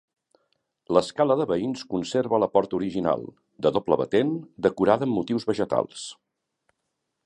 L'escala de veïns conserva la porta original, de doble batent, decorada amb motius vegetals.